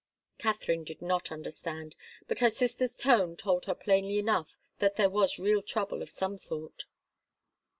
Katharine did not understand, but her sister's tone told her plainly enough that there was real trouble of some sort.